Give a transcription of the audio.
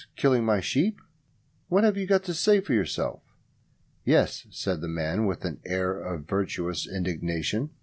Killing my sheep! What have you got to say for yourself?" "Yes," said the man, with an air of virtuous indignation.